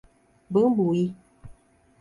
Bambuí